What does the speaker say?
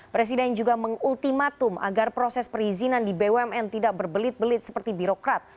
presiden juga mengultimatum agar proses perizinan di bumn tidak berbelit belit seperti birokrat